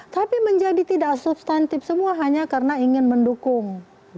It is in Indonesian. tapi menjadi tidak substantif semua hanya karena ingin mendukung